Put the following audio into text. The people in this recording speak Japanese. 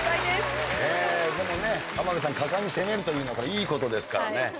でもね浜辺さん果敢に攻めるというのいいことですからね。